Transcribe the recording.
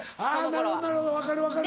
なるほどなるほど分かる分かる。